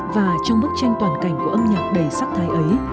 và trong bức tranh toàn cảnh của âm nhạc đầy sắc thái ấy